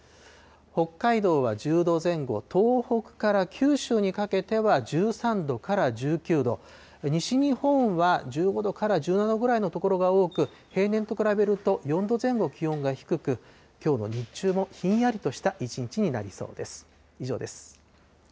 北海道は１０度前後、東北から九州にかけては１３度から１９度、西日本は１５度から１７度ぐらいの所が多く、平年と比べると４度前後気温が低く、きょうの日中もひんやりとした一日になりそうです。